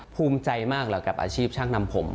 ภูมิใจมากแล้วกับอาชีพช่างนำผม